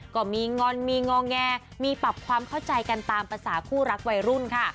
ก็มีงอนมีงอแงมีปรับความเข้าใจกันตามภาษาคู่รักวัยรุ่นค่ะ